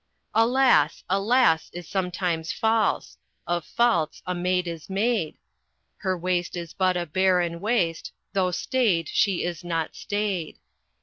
"Alas, a lass is sometimes false; Of faults a maid is made; Her waist is but a barren waste Though stayed she is not staid.